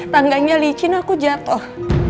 tangganya licin aku jatuh